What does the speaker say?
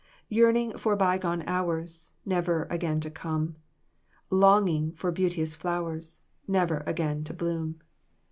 Yearning for by gone hours, Never again to come; Longing for beauteous flowers, Never again to bloom.